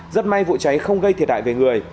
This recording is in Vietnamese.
rất may vụ cháy không gây thiệt hại về người